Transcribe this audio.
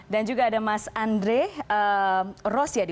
dan juga ada mas andre rosyadi